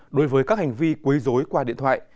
đối với các hành vi quấy dối qua điện thoại